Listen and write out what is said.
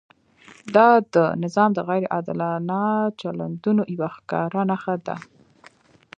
دا د نظام د غیر عادلانه چلندونو یوه ښکاره نښه ده.